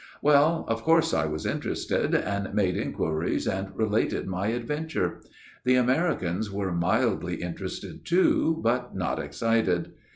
" Well, of course I was interested ; and made inquiries and related my adventure. The Ameri cans were mildly interested too, but not excited.